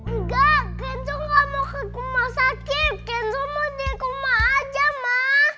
enggak kenzo gak mau ke rumah sakit kenzo mau di rumah aja ma